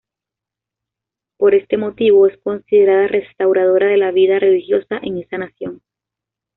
Por este motivo es considerada restauradora de la vida religiosa en esa nación.